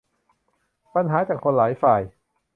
ปัญหาจากคนหลายฝ่าย